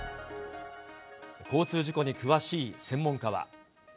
交通事故に詳しい専門家は。